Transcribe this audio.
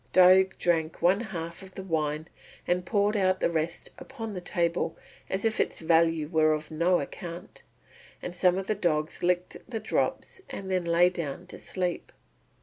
Diuk drank one half of the wine and poured out the rest upon the table as if its value were of no account, and some of the dogs licked the drops and then lay down to sleep.